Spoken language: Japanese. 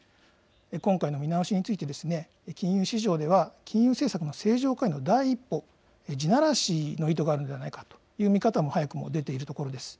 今回の見直しについて、金融市場では金融政策の正常化への第一歩、地ならしの意図があるのではないかという早くも見方が出ているところです。